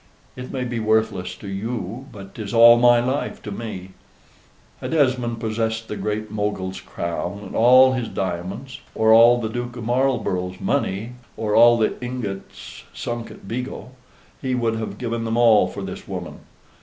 It may be worthless to you, but 'tis all my life to me. Had Esmond possessed the Great Mogul's crown and all his diamonds, or all the Duke of Marlborough's money, or all the ingots sunk at Vigo, he would have given them all for this woman.